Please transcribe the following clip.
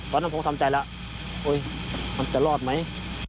วันนั้นผมทำใจแล้วมันจะรอดไหม